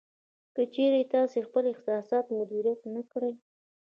که چېرې تاسې خپل احساسات مدیریت نه کړئ